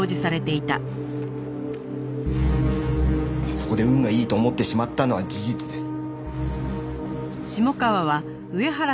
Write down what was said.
そこで運がいいと思ってしまったのは事実です。